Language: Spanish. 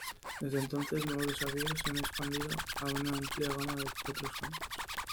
Desde entonces, nuevos desafíos se han expandido a una amplia gama de otros campos.